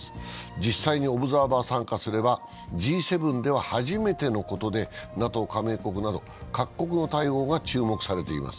実際にオブザーバー参加すれば、Ｇ７では初めてのことで、ＮＡＴＯ加盟国など各国の対応が注目されています。